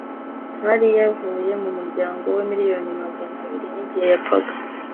Harry yavuye mu muryango we miliyoni magana abiri igihe yapfaga